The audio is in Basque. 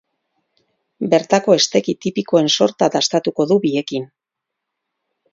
Bertako hesteki tipikoen sorta dastatuko du biekin.